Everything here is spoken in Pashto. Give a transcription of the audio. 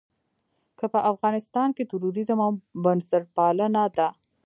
که په افغانستان کې تروريزم او بنسټپالنه ده.